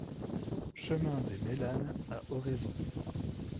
Chemin des Mélanes à Oraison